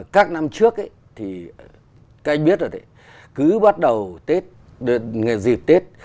các năm trước thì các anh biết rồi đấy cứ bắt đầu ngày dịp tết